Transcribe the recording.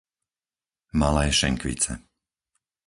Malé Šenkvice